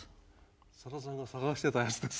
さださんが探してたやつですね。